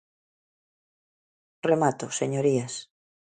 Remato, señorías.